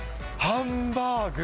ハンバーグ。